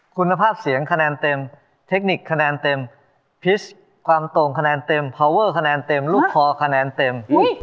คุณภาพเสียงคะแนนเต็มเทคนิคคะแนนเต็มพิษความตรงคะแนนเต็มพาวเวอร์คะแนนเต็มลูกคอคะแนนเต็ม